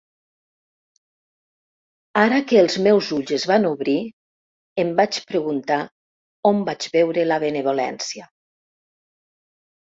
Ara que els meus ulls es van obrir, em vaig preguntar on vaig veure la benevolència.